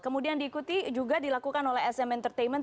kemudian diikuti juga dilakukan oleh sm entertainment